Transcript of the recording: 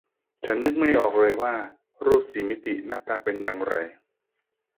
ฉันนึกไม่ออกเลยว่ารูปสี่มิติหน้าตาเป็นยังไง